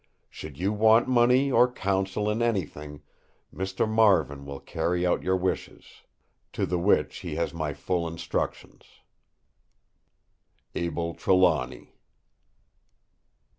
"Should you want money or counsel in anything, Mr. Marvin will carry out your wishes; to the which he has my full instructions." "ABEL TRELAWNY."